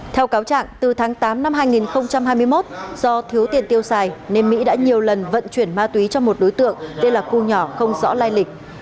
theo cáo trạng từ tháng tám năm hai nghìn hai mươi một do thiếu tiền tiêu xài nên mỹ đã nhiều lần vận chuyển ma túy cho một đối tượng tên là cô nhỏ không rõ lai lịch